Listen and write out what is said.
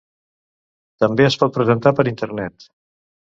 També es pot presentar per internet.